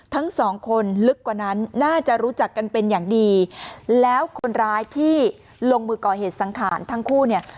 ทั้งสองคนลึกกว่านั้นน่าจะรู้จักกันเป็นอย่างดีแล้วคนร้ายที่ลงมือก่อเหตุสังขารทั้งคู่เนี่ย